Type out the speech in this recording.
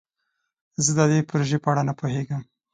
زه د دې پروژې په اړه نه پوهیږم.